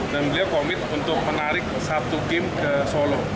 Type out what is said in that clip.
dan beliau komit untuk menarik satu game ke solo